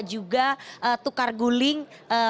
juga tukar guling